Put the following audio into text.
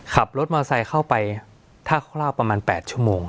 ขับรถมอเตอร์ไซค์เข้าไปถ้าเขาเล่าประมาณแปดชั่วโมง